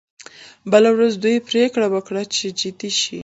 بله ورځ دوی پریکړه وکړه چې جدي شي